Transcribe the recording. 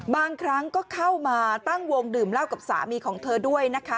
บางครั้งก็เข้ามาตั้งวงดื่มเหล้ากับสามีของเธอด้วยนะคะ